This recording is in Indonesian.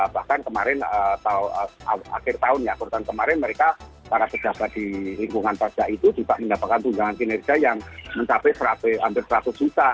bahkan kemarin akhir tahun ya kurban kemarin mereka para pejabat di lingkungan pajak itu juga mendapatkan tunjangan kinerja yang mencapai hampir seratus juta